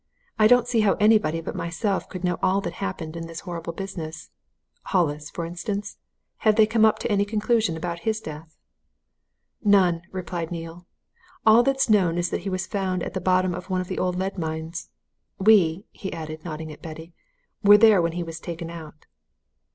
"I don't see how anybody but myself could know all that happened in this horrible business. Hollis, for instance? have they come to any conclusion about his death?" "None!" replied Neale. "All that's known is that he was found at the bottom of one of the old lead mines. We," he added, nodding at Betty, "were there when he was taken out."